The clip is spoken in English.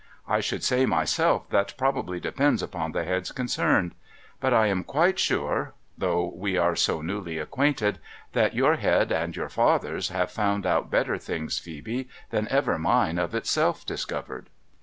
I should say myself that probably depends upon the heads concerned. But I am quite sure, though we are so newly acquainted, that your head and your father's have found out better things, Phoebe, than ever mine of itself discovered.'